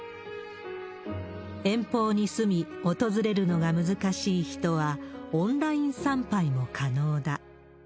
遠方に住み訪れるのが難しい人は、オンライン参拝も可能だ。